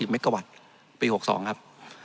เมกะวัตต์ปี๖๒ครับ